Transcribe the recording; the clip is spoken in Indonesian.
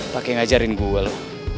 pakai ngajarin gue lo